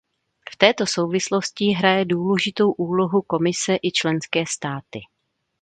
V této souvislosti hraje důležitou úlohu Komise i členské státy.